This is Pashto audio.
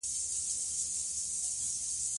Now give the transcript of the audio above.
یورانیم د افغانستان د جغرافیې بېلګه ده.